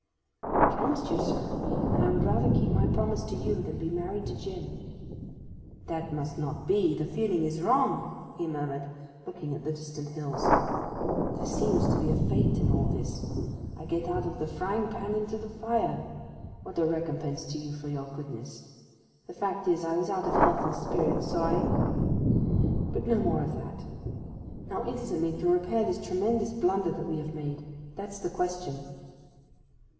'I promised you, sir; and I would rather keep my promise to you than be married to Jim.' 'That must not be—the feeling is wrong!' he murmured, looking at the distant hills. 'There seems to be a fate in all this; I get out of the frying pan into the fire. What a recompense to you for your goodness! The fact is, I was out of health and out of spirits, so I—but no more of that. Now instantly to repair this tremendous blunder that we have made—that's the question.